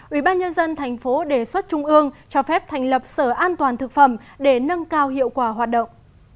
ubnd tp đề xuất trung ương cho phép thành lập sở an toàn thực phẩm để nâng cao hiệu quả hoạt động